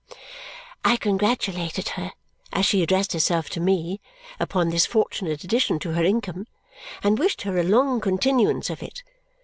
I congratulated her (as she addressed herself to me) upon this fortunate addition to her income and wished her a long continuance of it.